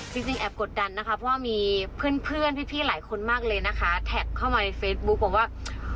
จริงแอบกดดันนะคะเพราะว่ามีเพื่อนพี่หลายคนมากเลยนะคะแท็กเข้ามาในเฟซบุ๊คบอกว่า